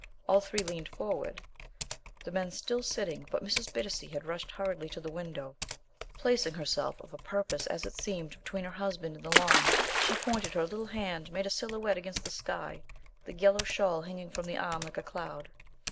All three leaned forward, the men still sitting, but Mrs. Bittacy had rushed hurriedly to the window, placing herself of a purpose, as it seemed, between her husband and the lawn. She pointed. Her little hand made a silhouette against the sky, the yellow shawl hanging from the arm like a cloud.